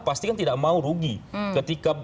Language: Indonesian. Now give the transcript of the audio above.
pasti kan tidak mau rugi ketika